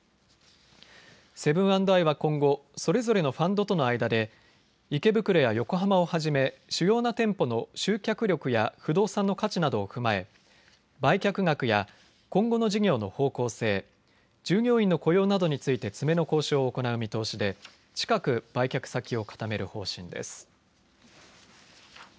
セブン＆アイは今後、それぞれのファンドとの間で池袋や横浜をはじめ主要な店舗の集客力や不動産の価値などを踏まえ売却額や今後の事業の方向性、従業員の雇用などについて詰めの交渉を行う見通しで近く売却先を固める方針です。